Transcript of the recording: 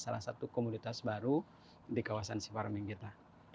sebagai salah satu komoditas baru di kawasan sea farming kita